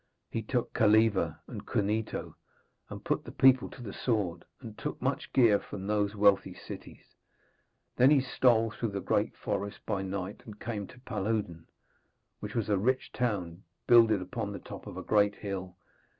He took Calleva and Cunetio, and put the people to the sword, and took much gear from those wealthy cities; then he stole through the great forest by night and came to Palladun, which was a rich town builded upon the top of a great hill.